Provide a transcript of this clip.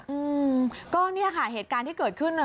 อืมก็เนี่ยค่ะเหตุการณ์ที่เกิดขึ้นน่ะ